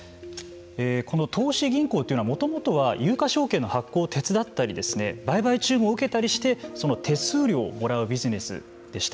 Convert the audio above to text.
この投資銀行というのはもともとは有価証券の発行を手伝ったり売買注文を受けたりしてその手数料をもらうビジネスでした。